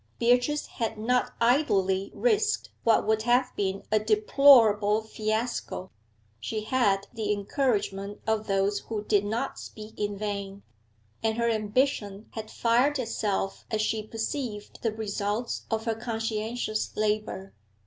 Beatrice had not idly risked what would have been a deplorable fiasco; she had the encouragement of those who did not speak in vain, and her ambition had fired itself as she perceived the results of her conscientious labour.